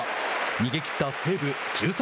逃げきった西武１３